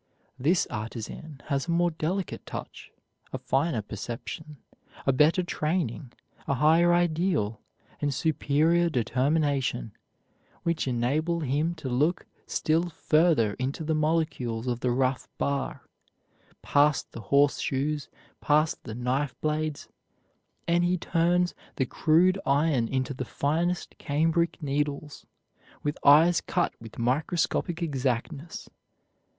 This artisan has a more delicate touch, a finer perception, a better training, a higher ideal, and superior determination, which enable him to look still further into the molecules of the rough bar, past the horse shoes, past the knife blades, and he turns the crude iron into the finest cambric needles, with eyes cut with microscopic exactness.